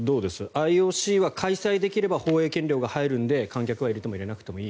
ＩＯＣは開催できれば放映権料が入るので観客は入れても入れなくてもいい。